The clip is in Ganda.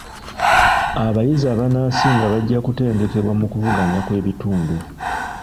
Abayizi abanaasinga bajja kutendekebwa mu kuvuganya kw'ebitundu.